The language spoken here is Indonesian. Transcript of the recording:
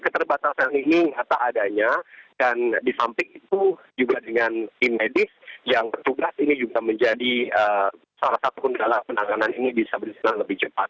pada saat ini kata adanya dan disamping itu juga dengan tim medis yang bertugas ini juga menjadi salah satu kendala penanganan ini bisa beresil lebih cepat